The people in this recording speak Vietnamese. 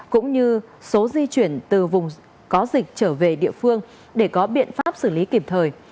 cũng như số di chuyển từ vùng có dịch trở về địa phương để có biện pháp xử lý kịp thời